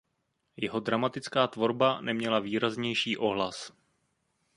Jeho dramatická tvorba neměla výraznější ohlas.